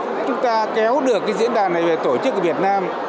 khi chúng ta kéo được diễn đàn này về tổ chức ở việt nam